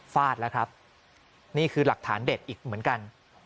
ฟาดแล้วครับนี่คือหลักฐานเด็ดอีกเหมือนกัน